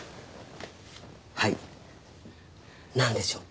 はい何でしょう？